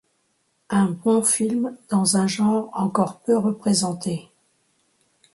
Un bon film dans un genre encore peu représenté.